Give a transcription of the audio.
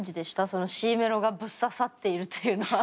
そのＣメロがぶっ刺さっているっていうのは。